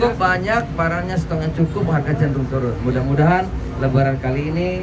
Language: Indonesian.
pak tapi ketersediaan sendiri